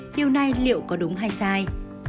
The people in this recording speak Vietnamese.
điều này liệu có đúng hay sai